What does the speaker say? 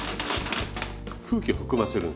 空気を含ませる。